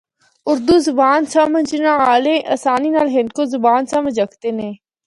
اُردو زبان سمجھنڑا آلے آسانی نال ہندکو سمجھ ہکدے نے۔